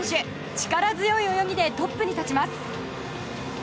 力強い泳ぎでトップに立ちます。